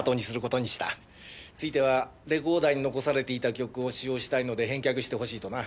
「ついてはレコーダーに残されていた曲を使用したいので返却してほしい」とな。